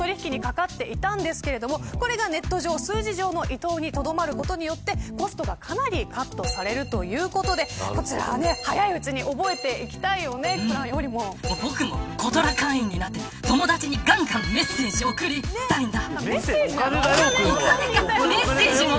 ８０００億円も現金の取引にかかっていたんですけどこれがネット上での数字の移動にとどめることでコストがかなりカットされるということでこちらは早いうちに僕もことら会員になって友達にメッセージを送りたいんだ。